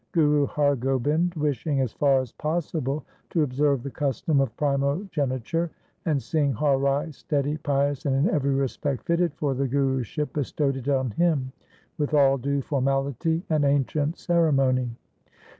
Guru Har Gobind, wishing as far as possible to observe the custom of primogeniture, and seeing Har Rai steady, pious, and in every respect fitted for the Guruship, bestowed it on him with all due formality and ancient ceremony.